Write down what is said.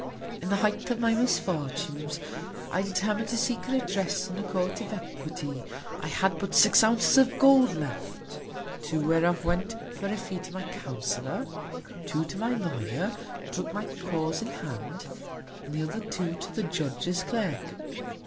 In the Height of my Misfortunes, I determin'd to seek Redress in a Court of Equity: I had but six Ounces of Gold left: Two whereof went for a Fee to my Counsellor; two to my Lawyer, who took my Cause in Hand, and the other two to the Judge's Clerk.